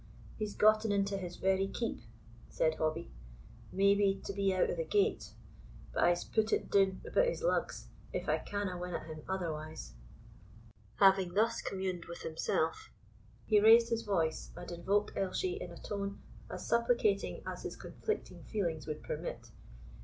"He's gotten into his very keep," said Hobbie, "maybe to be out o' the gate; but I'se pu' it doun about his lugs, if I canna win at him otherwise." Having thus communed with himself, he raised his voice, and invoked Elshie in a tone as supplicating as his conflicting feelings would permit.